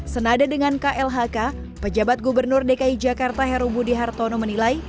senada dengan klhk pejabat gubernur dki jakarta heru budi hartono menilai